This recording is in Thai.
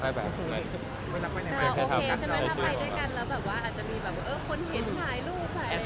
ถ้าไปด้วยกันมันก็จะมีคนเห็นถ่ายรูปแหละ